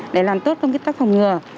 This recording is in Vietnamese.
để làm tốt công tác phòng ngừa